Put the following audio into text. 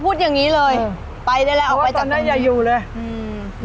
อ๋อพูดอย่างงี้เลยเออไปได้แล้วออกไปจากตรงนี้เพราะว่าตอนนั้นอย่าอยู่เลยอืม